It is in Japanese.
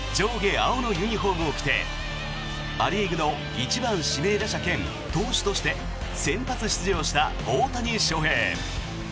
青のユニホームを着てア・リーグの１番指名打者兼投手として先発出場した大谷翔平。